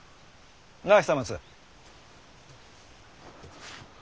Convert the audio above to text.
なあ久松？